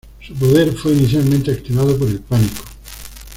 Su poder fue inicialmente activado por el pánico.